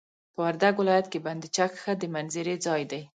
په وردګ ولايت کي بند چک ښه د منظرې ځاي دي.